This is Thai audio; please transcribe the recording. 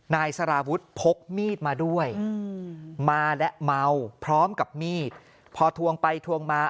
นายสารวุฒิพกมีดมาด้วยมาและเมาพร้อมกับมีดพอทวงไปทวงมา